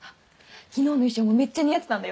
昨日の衣装もめっちゃ似合ってたんだよ。